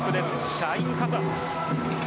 シャイン・カサス。